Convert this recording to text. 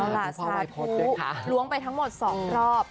ลาสาธุล้วงไปทั้งหมด๒รอบ